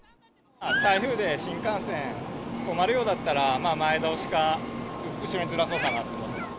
台風で新幹線、止まるようだったら、前倒しか、後ろにずらそうかなと思ってます。